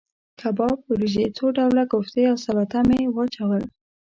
کباب، وریجې، څو ډوله کوفتې او سلاته مې واچول.